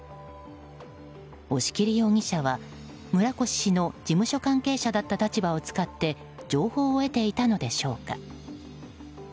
押切容疑者は村越氏の事務所関係者だった立場を使って情報を得ていたのでしょうか。